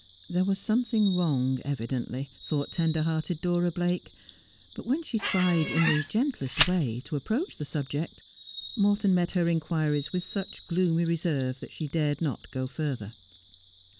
There was something wrong, evidently, thought tender hearted Dora Blake ; but when she tried, in the gentlest way, to approach the subject, Morton met her inquiries with such gloomy reserve that she dared not go further.